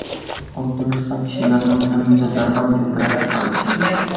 ئولتۇرۇشقان كىشىلەرنىڭ ھەممىسى دەرھال شۇ تەرەپكە قارىدى.